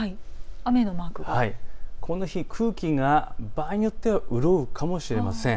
雨のマークがこの日、空気が場合によっては潤うかもしれません。